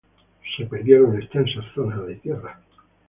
Se perdieron extensas zonas de tierra.